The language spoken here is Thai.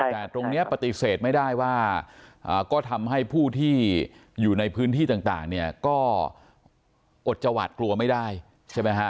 แต่ตรงนี้ปฏิเสธไม่ได้ว่าก็ทำให้ผู้ที่อยู่ในพื้นที่ต่างเนี่ยก็อดจะหวาดกลัวไม่ได้ใช่ไหมฮะ